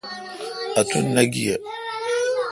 اتن نہ گیہ۔